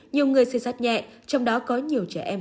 nhiều người xe sát nhẹ trong đó có nhiều trẻ em